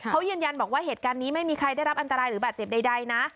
เขายืนยันบอกว่าเหตุการณ์นี้ไม่มีใครได้รับอันตรายหรือบาดเจ็บใดนะ